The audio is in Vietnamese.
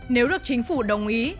nếu được chính phủ đồng ý